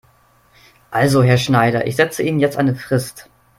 Also Herr Schneider, ich setze Ihnen jetzt eine Frist.